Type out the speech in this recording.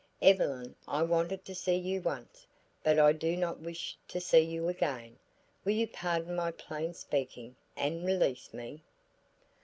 Evelyn I wanted to see you once, but I do not wish to see you again; will you pardon my plain speaking, and release me?"